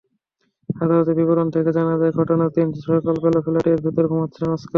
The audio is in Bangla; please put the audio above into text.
আদালতের বিবরণ থেকে জানা যায়, ঘটনার দিন সকালবেলা ফ্ল্যাটের ভেতরে ঘুমাচ্ছিলেন অস্কার।